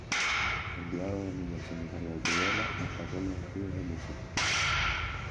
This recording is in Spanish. Enviado de niño al seminario de Tudela, destacó en los estudios de música.